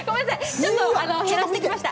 ちょっと減らしてきました。